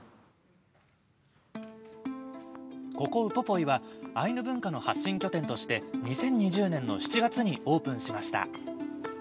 ここ、ウポポイはアイヌ文化の発信拠点として２０２０年の７月にオープンしました。